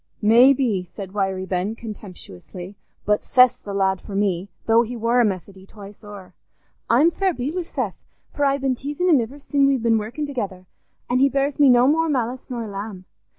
"Maybe," said Wiry Ben, contemptuously, "but Seth's the lad for me, though he war a Methody twice o'er. I'm fair beat wi' Seth, for I've been teasin' him iver sin' we've been workin' together, an' he bears me no more malice nor a lamb.